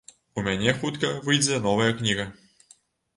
У мяне хутка выйдзе новая кніга.